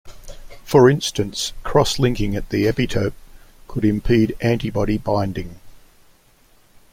For instance, cross-linking at the epitope could impede antibody binding.